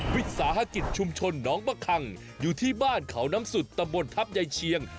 วิสาหกิจชุมชนน้องมะคังอยู่ที่บ้านเขาน้ำสุดตำบลทัพยายเชียง